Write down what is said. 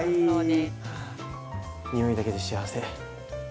は匂いだけで幸せ。